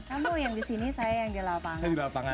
kamu yang disini saya yang di lapangan